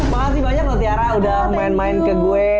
makasih banyak loh tiara udah main main ke gue